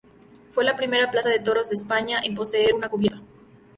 Fue la primera plaza de toros de España en poseer una cubierta.